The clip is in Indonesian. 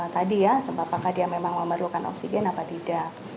tadi ya apakah dia memang memerlukan oksigen atau tidak